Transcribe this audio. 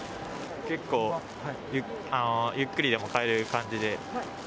結構、ゆっくりでも買える感じで。